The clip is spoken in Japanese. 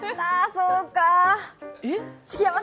そうか！